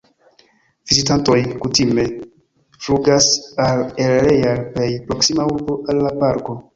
Vizitantoj kutime flugas al El Real, plej proksima urbo al la parko.